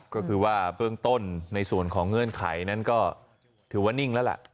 ก็คือว่าเบื้องต้นในส่วนของเงื่อนไขนั้นก็ถือว่านิ่งแล้วล่ะ